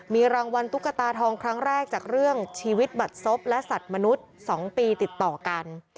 มีรางวัลตุ๊กตาทองครั้งแรกจากเรื่องชีวิตบัตรศพและสัตว์มนุษย์๒ปีติดต่อกัน